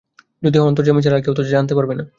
যদি হয় অন্তর্যামী ছাড়া আর কেউ তা জানতে পারবে না।